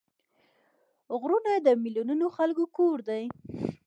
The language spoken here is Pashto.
غرونه د میلیونونو خلکو کور دی